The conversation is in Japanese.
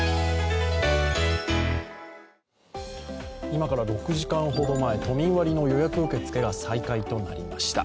今から６時間ほど前、都民割の予約受け付けが再開となりました。